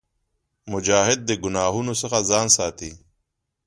مجاهد د ګناهونو څخه ځان ساتي.